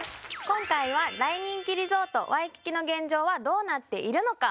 今回は大人気リゾートワイキキの現状はどうなっているのか？